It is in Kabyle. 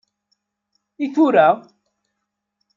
I tura?